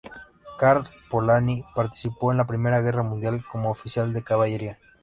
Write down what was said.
Karl Polanyi participó en la Primera Guerra Mundial como oficial de caballería.